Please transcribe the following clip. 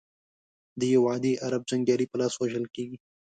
د یوه عادي عرب جنګیالي په لاس وژل کیږي.